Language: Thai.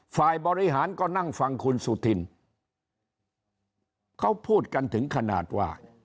ฝ่ายบริหารก็นั่งฟังคุณสุธินเขาพูดกันถึงขนาดว่า